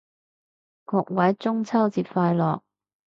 各位中秋節快樂